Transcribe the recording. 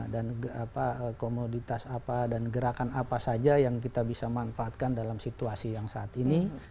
dan komoditas apa dan gerakan apa saja yang kita bisa manfaatkan dalam situasi yang saat ini